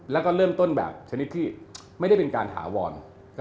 แล้วก็เริ่มต้นแบบชนิดที่ไม่ได้เป็นการถาวร